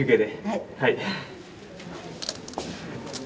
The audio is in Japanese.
はい。